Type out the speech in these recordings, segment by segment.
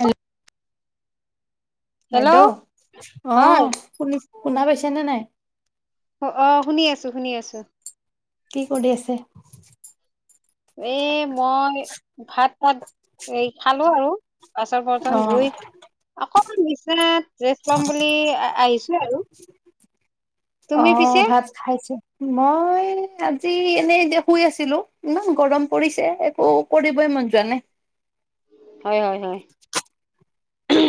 Hello hello বাইদেউ হয় আহ শু শুনা পাইছেনেে নাই অ অ শুনি আছো শুনি আছো কি কৰি আছে এ মই ভাত পাত এই খালো আৰু বাছন অ বৰ্তন ধুই অক নিচাত ৰেচ লম বুলি আহিছো আৰু অ তুমি পিছে ভাত খাইছে মই আজি এনে এতিয়া শুই আছিলো ইমান গৰম পৰিছে একো কৰিবই মন যোৱা নাই হয় হয় হয়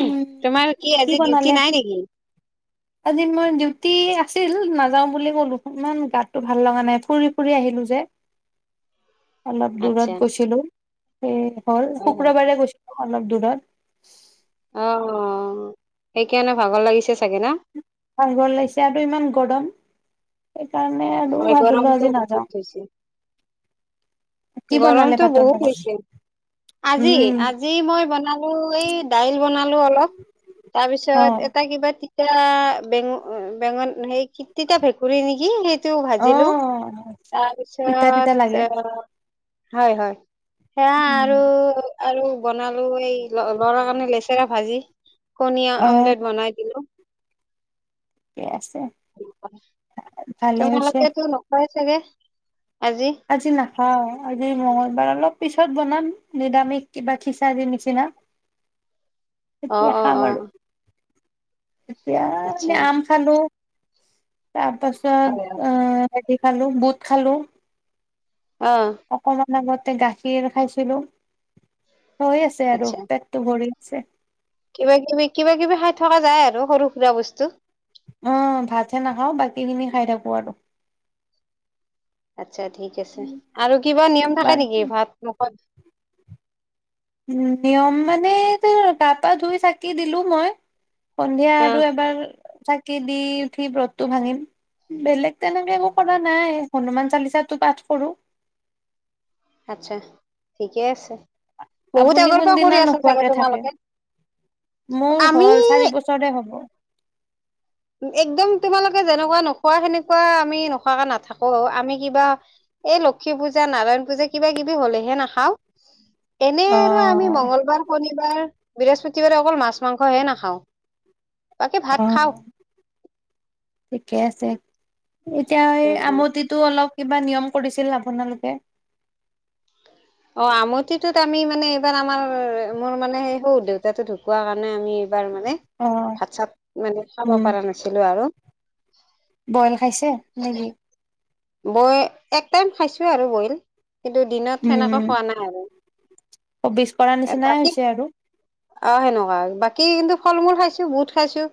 উম তোমাৰ কি আজি ডিউটি নাই নিকি আজি মই ডিউটি আছিল নাযাও বুলি ক'লো ইমান গাতটো ভাল লগা নাই ফুৰি ফুৰি আহিলো লো যে অলপ দূৰত আচ্ছা গৈছিলো সেই হল হয় হয় শুক্ৰবাৰে গৈছিলো অলপ দুৰত অ সেইকাৰণে ভাগৰ লাগিছে চাগে ন ভাগৰ লাগিছে আৰু ইমান গৰম কাৰণে আৰু হয় ভাবিলো গৰমটো আজি বহুত নাযাওঁ হৈছে গৰমটো বহুত হৈছে আজি উম আজি মই বনালো এই দাইল বনালো অলপ অ তাৰপিছত এটা কিবা তি বেঙন বেঙন সেই তিতা ভেকুৰী নিকি সেই টো অ ভাজিলো তিতা তাৰপিছত তিতা লাগে তা হয় হয় সেয়া আৰু উম আৰু বনালো এই লৰা কাৰণে লেচেৰা ভাজি কনি আমলেট বনাই দিলো ঠিকে আছে ভালে হৈছে তোমালোকেতো নকয় চাগে আজি নাখাওঁ আজি মঙ্গলবাৰ অলপ পিছত বনাম নিৰামিষ কিবা খিচাৰি নিচিনা অ তেতিয়া অ খাম অ আৰু এতিয়া আচ্ছা মানে আম খালো তাৰ পাছত হয় হয় অহ হেৰি খালো বুট খালো অ অকমান আগতে গাখীৰ খাইছিলো হৈ আছে আৰু আচ্ছা পেটটো ভৰি ছে কিবা কিবি কিবা কিবি খাই থকা যায় আৰু সৰু সুৰা বস্তু অ ভাতহে নাখাওঁ বাকী খিনি খাই থাকো আৰু আচ্ছা ঠিক আছে আৰু কিবা নিয়ম থাকে নিকি বাকী ভাত মুখত উ নিয়ম মানে গা পা ধুই চাকি দিলো মই সন্ধিয়া অ আৰু এবাৰ চাকি দি উঠি ব্ৰতটো ভাঙিম বেলেগ তেনেকে একো কৰা নাই হনুমান চালিচাতো পাঠ কৰো আচছা ঠিকেই আছে বহুত আপুনি আগৰ পৰা কোনদিনা কৰি আছা চাগে নোখোৱাকে থাকে? তোমালোকে মোৰ আমি হ'ল চাৰি বছৰে হ'ব একদম তোমালোকে যেনেকুৱা নোখোৱা সেনেকুৱা আমি নোখোৱাকে নাথাকো অ আমি কিবা এই লক্ষী পূজা নাৰায়ন পূজা কিবা কিবি হলেহে নাখাও এনে আৰু আমি অ', মঙগলবাৰ শনিবাৰ বাৰ বৃহস্পতিবাৰে অকল মাছ মাংসহে নাখাও বাকী ভাত খাও অ', ঠিকে আছে এতিয়া এই উম উম আমতিতো অলপ কিবা নিয়ম কৰিছিল আপোনালোকে অ আমতিটোত আমি মানে এইবাৰ আমাৰ মোৰ মানে সেই সৰু দেউতাটো ঢুকোৱা কাৰণে আমি এবাৰ মানে অ', ভাত চাত মানে খাব উম, পৰা নাছিলো আৰু বইল খাইছে নেকি বৈ এক টাইম খাইছো আৰু বইল কিন্তু দিনত সেনেকা উম, খোৱা নাই আৰু [unintelligible] কৰা নিচিনাই বাকী হৈছে আৰু। অ', সেনেকুৱা বাকী কিন্তু ফল মূল খাইছো বুত খাইছো।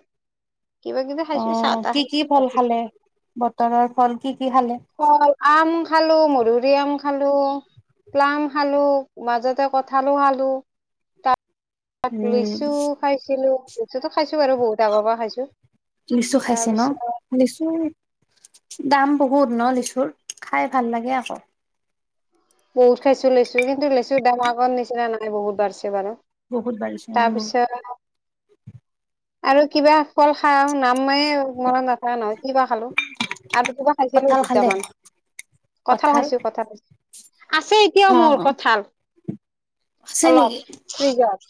কিবা কিবি খাইচো অ', চাতা কি কি খায়চো ফল গাখিৰ খালে? চাখিৰ। বতৰৰ ফল কি কি খালে? ফল আম খালো মধুৰিআম খালো প্লাম খালো মাজতে কঠালো খালো। তাৰ পিচত উম, লিচু খাইছিলো লিচু খাইছো বাৰু বহুত আগৰ পৰা খাইছো। লিচু তাৰ খাইছে ন পিছত লিচু দাম বহুত ন লিচুৰ খাই ভাল লাগে আকৌ। বহুত খাইছো লেচু কিন্তু লেচু দাম আগৰ নিচিনা নাই বহুত বাঢ়ছে বাৰু। বহুত বাঢ়িচে তাৰ উম। পিছত আৰু কিবা কল খাওঁ নাম মে মনত নপৰে নহয় কিবা খালো। আৰুকিবা খাইছিলো কঁঠাল খালে দুটামান। কঁঠাল খাইছো কঁঠাল খাইছো আছে এতিয়াও মোৰ অ'। কঠাল। আছে নেকি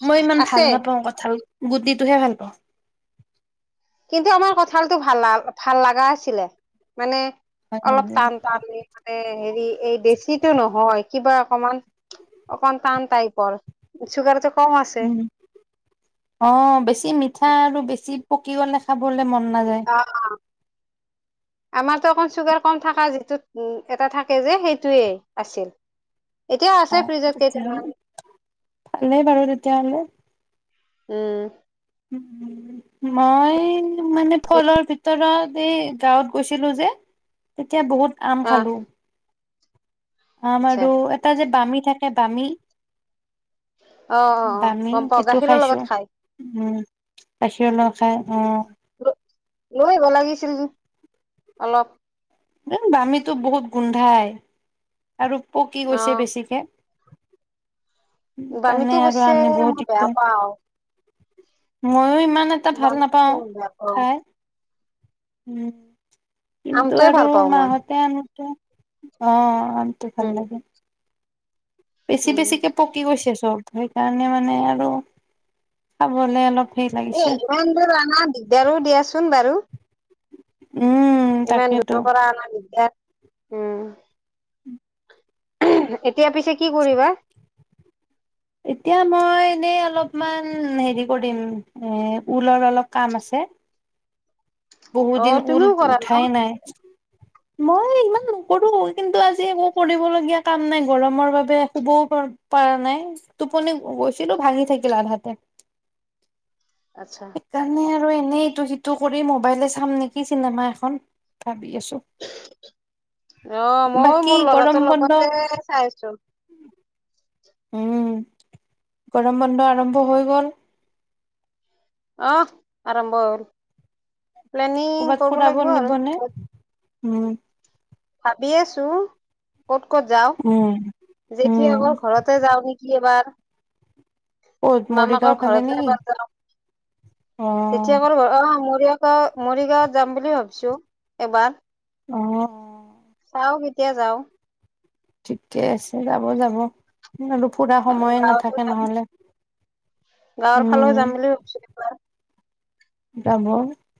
মই ইমান ভাল আছে নাপাওঁ কঠাল গুটিটোহে ভাল পাওঁ। কিন্তু আমাৰ কঁঠালতটো ভাল ভাল লাগা আছিলে মানে হয় অলপ নেকি? টান টান মানে হেৰি এই দেছিটো নহয় কিবা সমান অকণ টান তাইপৰ চুগাৰ উম অ', বেছি মিঠা আৰু বেছি পকি গলে খাবলে মন নাযায়। অ', অ'। [inaudible] আমাৰতো অকণ চুগাৰ কম থকা যিটো এটা থাকে যে সেইটোৱেই আছিল। এতিয়াও আছে অ', ফ্ৰিজত কেইটামান তেতিয়াহলে ভালেই বাৰু তেতিয়াহলে। উম। [unintelligible] মই মানে ফলৰ ভিতৰত এই গাঁৱত গৈছিলো যে তেতিয়া বহুত আম আহ খালো। আম আচ্ছা আৰু এটা যে বামী থাকে বামী। অ অ অ বামি গম পাও সেইটো গাখীৰৰ খাইছো লগত খাই উম [unintelligible] খাই অ'। লৈ আহিব লাগিছিল অলপ। উম, বামীটো বহুত গোন্ধাই আৰু পকি অ গৈছে বেছিকে। বামীটো সেইকাৰণে আৰু অৱশ্যে আনিবও মই বেয়া দিগদাৰ পাও ইমান এটা অ ভাল নাপাওঁ খাই। উম কিন্তু আমটোৱে আৰু ভাল পাওঁ মই মাঁহতে এনেকে অ'। মনটো উম ভাল লাগে। বেছি উম বেছিকে পকি গৈছে চব সেইকাৰণে মানে আৰু খাবলে অলপ হেৰি এ, লাগিছে। ইমান দোৰ আনা দিগদাৰো দিয়াচোন বাৰু। উম, ইমান তাকেতো। দূৰৰ পাৰা আনা দিগদাৰ উম। এতিয়া পিছে কি কৰিবা? এতিয়া মই এনেই অলপমান হেৰি কৰিম এ ঊলৰ অলপ কাম আছে। [unintelligible] বহুত অ দিন ঊল তুমিও কৰা ন উঠাই নাই। মই ইমান নকৰো কিন্তু আজি একো কৰিবলগীয়া কাম নাই গৰমৰ বাবে শুবও পাৰা নাই টোপনি গৈছিলো ভাঙি থাকিল আধাতে। আচ্ছা সেইকাৰণে আৰু এনেই ইটো সিটো কৰি মোবাইলে চাম নেকি চিনেমা এখন বি আছোঁ। অ', ময়ও মোৰ লৰাটোৰ বন্ধ লগতে চাই আছো। উম গৰম বন্ধ আৰম্ভ হৈ গল। [unintelligible] আৰম্ভ হ'ল প্লেনিং কৰ'বাত কৰিব ফুৰাব লাগিব আৰু নিবনে উম। ভাবি আছো। ক'ত ক'ত যাও উম উম যেঠিয়া আক ঘৰতে যাওঁ নেকি এবাৰ। ক'ত মৰিগাঁও মামাকৰ ফালে ঘৰতে নেকি এবাৰ যাওঁ, অ তেতিয়া বাৰু হ অ মোৰেয়ক ক মৰিগাঁৱত যাম বুলি ভাবিছো এবাৰ। অ অ। আও কেতিয়া যাও। ঠিকে আছে যাব যাব আৰু পুৰা আৰু সময়ে গাঁৱতো নাথাকে যাম নহলে। গাঁৱৰ ফালৰ উম যাম বুলি ভাবিছিলো এবাৰ। যাব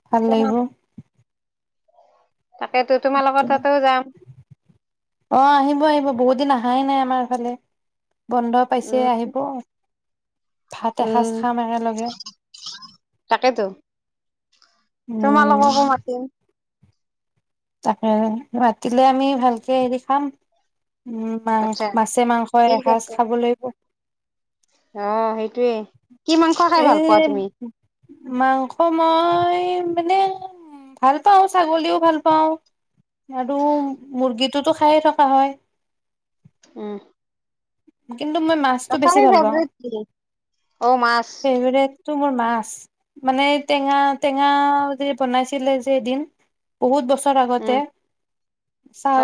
ভাল লাগিব, তোমা- তাকেই তো তোমাৰ লগত তাতেও যাম। অ আহিব আহিব বহুত দিন আহাই নাই আমাৰ ফালে। বন্ধ পাইছে উম আহিব। ভাত এসাঁজ উম খাম একেলগে। তাকেতো উম তোমালোককো মাতিম। তাকে মতিলে আমি ভালকে হেৰি খাম। মাং আচ্ছা মাছে মাংস এসাঁজ খাব লাগিব, আহ সেইটোৱে কি মাংস খাই এ ভাল পোৱা তুমি? মাংস মই মানে ভাল পাওঁ ছাগলীও ভাল পাওঁ। আৰু মুৰ্গীটোতো খায়ে থকা হয়। উম। কিন্তু মই মাছটো বেছি তথাপি ভাল পাওঁ ফেভৰেট কি অ মাছ ফেভোৰাইট। তো মোৰ মাছ,, মানে টেঙা টেঙা যে বনাইছিলে যে এদিন। বহুত ব আগতে উম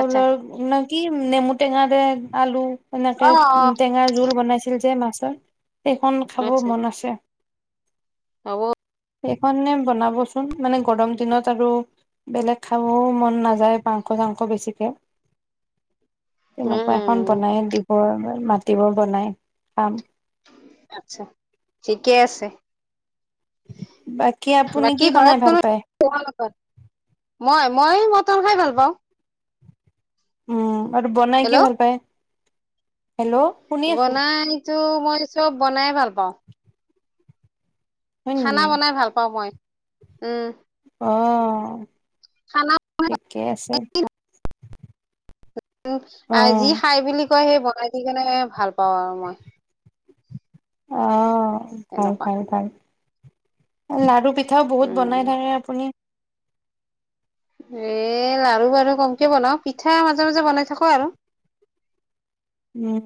আচ্ছা নে কি নেমু টেঙা দে আলু এনেকে অ অ টেঙা জোল বনাইছিল যে মাছৰ সেইখন খাব মন আছে। হ [unintelligible] এইখনে বনাবচোন মানে গৰম দিনত আৰু বেলেগ খাবও মন নাযায় মাংস চাংস বেছিকৈ উম তেনেকুৱা এখন উম বনাই দিবৰ মাতিব বনাই খাম। ঠিকেই আছে। বাকী আপুনি কি বাকী বনাই ঘৰত কো ভাল পায়? তোমালোকৰ মই মই মটৰ খাই ভাল পাওঁ। উম আৰু বনাই কি হেল্ল' ভাল পাই? হেল্ল' শুনি আছোঁ। বনাইতো মই চব বনাই ভাল পাওঁ। হয় নেকি খানা বনাই ভাল পাওঁ মই উম। অ খানা ঠিকে আছে। অ যি খাই বুলি কয় সেই বনাই দি কেনে ভাল পাওঁ আৰু মই। অ ভাল এনেকুৱা ভাল ভাল লাৰু পিঠ পিঠাও বহুত উম বনাই থাকে আপুনি এ লাৰু বাৰু কমকে বনাও পিঠা মাজে মাজে বনাই থাকো আৰু। উম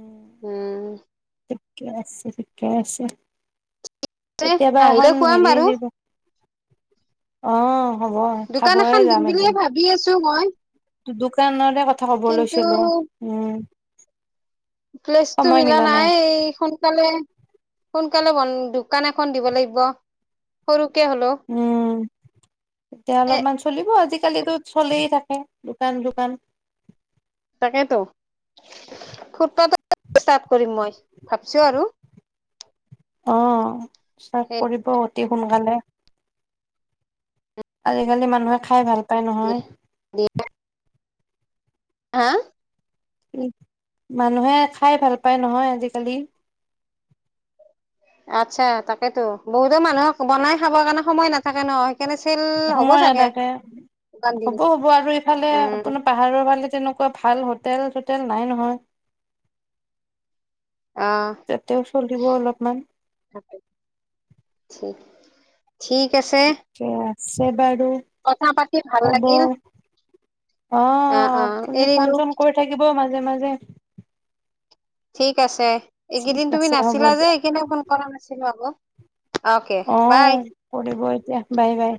উম ঠিকে আছে ঠিকে আছে তে কেতিয়াবা এখন আহিলে খুৱাম হেৰি বাৰু দিব অঁ দোকান এখন দিম বুলিয়ে ভাবি আছো মই। দোকানৰে কথা কব কিন্তু লৈছিলো উম। প্লেচটো মিলা নাই এই সোনকালে স সোনকালে ব দোকান এখন দিব লাগিব সৰু উম এতিয়া অলপমান চলিব আজি আজিকালিতো চলে থাকে দোকান দোকান াক ফ কৰিম মই ভাবছো আৰু [unintelligible] অ চফ সেই কৰিব অতি সোনকালে আজিকালি মানুহে খাই ভাল পায় এ নহয় দেিয় হা মানুহে খাই ভাল পায় নহয় আজিকালি আচ্ছা তাকেেতো বহুতো মানুহক বনাই খাবৰ কাৰণে সময় নাথাকে ন সেইকাৰণে চেল হ'ব সময় চাগে নাথাকে দোকান দিল হ'ব হ'ব আৰু এইফালে উম আপোনাৰ পাহাৰৰ ফালে তেনেকুৱা ভাল হ তেল চোতেল নাই নহয় অ যাতে চলিব অলপমান ঠিক ঠিক আছে ঠিকে আছে বাৰু কথা পাতি ভাল হ'ব অ লাগিল অ অ আপুনি এৰিলো ফোন চোন কৰি থাকিব মাজে মাজে ঠিক আছে ঠিক এইকেইদিন তুমি আছে হ'ব নাছিলা যে দিয়ক সেইকাৰণে ফোন কৰা নাছিলো আকৌ অকে বাই অহ কৰিব এতিয়া বাই বাই